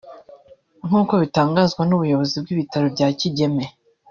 nk’uko bitangazwa n’ubuyobozi bw’ibitaro bya Kigeme